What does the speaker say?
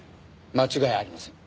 間違いありません。